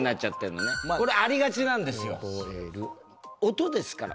音ですから。